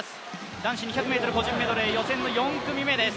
男子２００ｍ個人メドレー予選の４組目です。